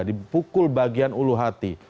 dipukul bagian ulu hati